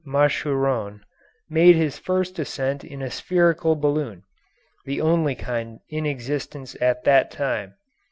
Machuron, made his first ascent in a spherical balloon, the only kind in existence at that time.